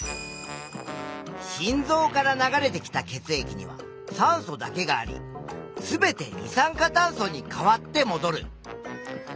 心臓から流れてきた血液には酸素だけがあり全て二酸化炭素に変わってもどる。